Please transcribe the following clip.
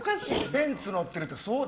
ベンツのってるって相当。